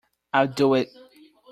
I'll do it.